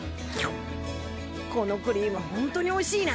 このクリームホントにおいしいな。